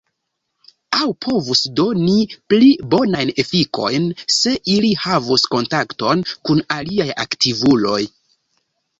Aŭ povus doni pli bonajn efikojn, se ili havus kontakton kun aliaj aktivuloj.